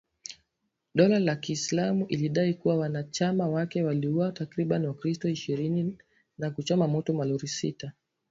Dola ya kiislamu ilidai kuwa wanachama wake waliwauwa takribani wakristo ishirini na kuchoma moto malori sita